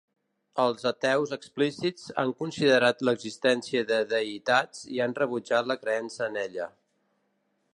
Els ateus explícits han considerat l'existència de deïtats i han rebutjat la creença en ella.